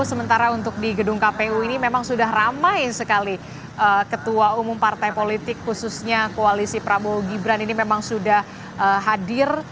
sementara untuk di gedung kpu ini memang sudah ramai sekali ketua umum partai politik khususnya koalisi prabowo gibran ini memang sudah hadir